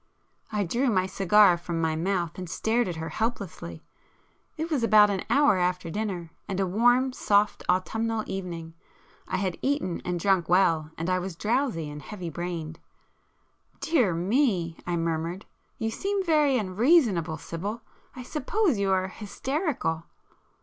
I drew my cigar from my mouth and stared at her helplessly. It was about an hour after dinner, and a warm soft autumnal evening,—I had eaten and drunk well, and I was drowsy and heavy brained. "Dear me!" I murmured—"you seem very unreasonable, Sibyl! I suppose you are hysterical...."